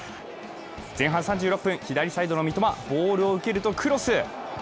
前半３６分、左サイドの三笘、ボールを受けると、クロス！